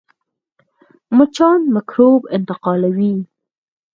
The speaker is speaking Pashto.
مچان میکروب انتقالوي